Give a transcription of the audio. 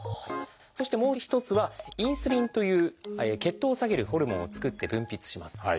そしてもう一つは「インスリン」という血糖を下げるホルモンを作って分泌します。